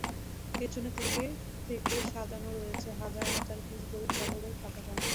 পেছনে থরে থরে সাজানো রয়েছে হাজার হাজার পিস গরু-ছাগলের কাঁচা চামড়া।